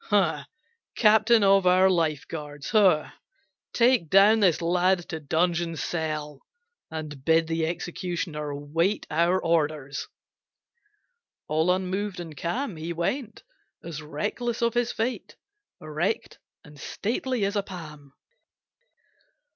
Ho! Captain of our lifeguards, ho! Take down this lad to dungeon cell, And bid the executioner wait Our orders." All unmoved and calm, He went, as reckless of his fate, Erect and stately as a palm.